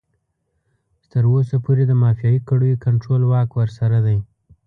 چې تر اوسه پورې د مافيايي کړيو کنټرول واک ورسره دی.